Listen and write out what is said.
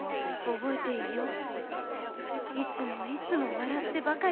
覚えていよう？